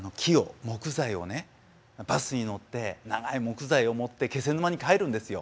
バスに乗って長い木材を持って気仙沼に帰るんですよ。